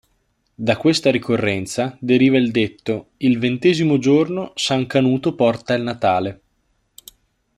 Da questa ricorrenza deriva il detto "Il ventesimo giorno, San Canuto porta il Natale".